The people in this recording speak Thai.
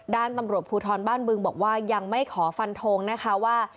ด้านตำรวจภูทรบ้านบึงบอกว่ายังไม่ขอฟันทงนะคะว่า